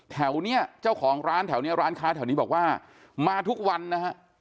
แถวเนี่ยเจ้าของร้านแถวนี้ร้านค้าแถวนี้บอกว่ามาทุกวันนะฮะ